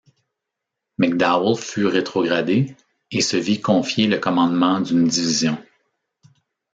McDowell fut rétrogradé et se vit confier le commandement d'une division.